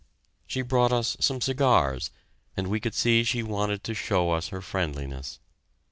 She brought us some cigars, and we could see she wanted to show us her friendliness.